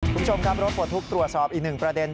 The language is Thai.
คุณผู้ชมครับรถปลดทุกข์ตรวจสอบอีกหนึ่งประเด็น